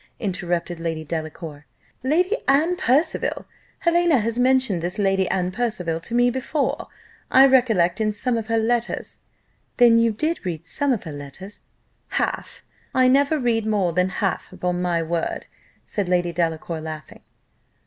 interrupted Lady Delacour, "Lady Anne Percival! Helena has mentioned this Lady Anne Percival to me before, I recollect, in some of her letters." "Then you did read some of her letters?" "Half! I never read more than half, upon my word," said Lady Delacour, laughing.